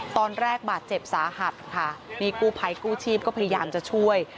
ตอนแรกบาดเจ็บสาหัสค่ะนี่กู้ภัยกู้ชีพก็พยายามจะช่วย